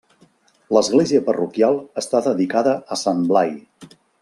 L'església parroquial està dedicada a Sant Blai.